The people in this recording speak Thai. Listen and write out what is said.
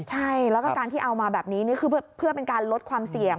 ใช่แล้วก็การที่เอามาแบบนี้นี่คือเพื่อเป็นการลดความเสี่ยง